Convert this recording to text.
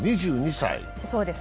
２２歳。